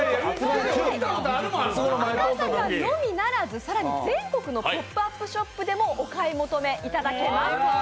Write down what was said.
赤坂のみならず、更に全国のポップアップショップでもお買い求めいただけます。